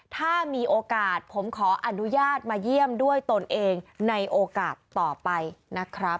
ถ้ามีโอกาสผมขออนุญาตมาเยี่ยมด้วยตนเองในโอกาสต่อไปนะครับ